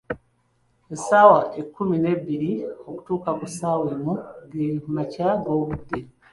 Essaawa ekkumi nabbiri.okutuuka ku emu ge makya g'obudde.